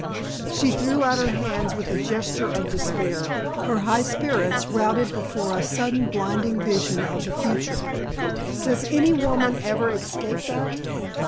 She threw out her hands with a gesture of despair, her high spirits routed before a sudden blinding vision of the future. "Does any woman ever escape that?"